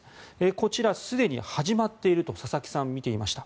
こちら、すでに始まっていると佐々木さんは見ていました。